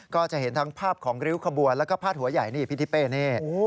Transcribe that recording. ก็จะเห็นทั้งภาพของริ้วขบวนแล้วก็พาดหัวใหญ่นี่พี่ทิเป้นี่